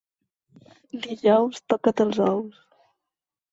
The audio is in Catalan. Dijous, toca't els ous.